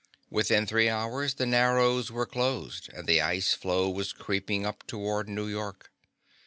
Within three hours the Narrows were closed, and the ice floe was creeping up toward New York.